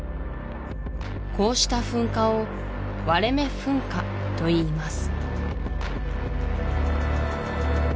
こうした噴火を割れ目噴火といいます